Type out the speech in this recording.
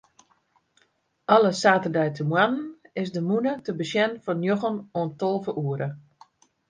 Alle saterdeitemoarnen is de mûne te besjen fan njoggen oant tolve oere.